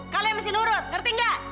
kalian masih nurut ngerti gak